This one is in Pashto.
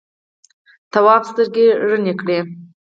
تواب سترګې رڼې کړې.